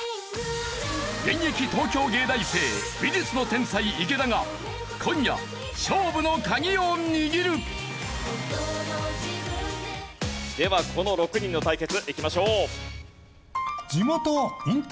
現役東京藝大生美術の天才池田がではこの６人の対決いきましょう。